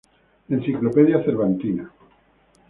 Enciclopedia cervantina.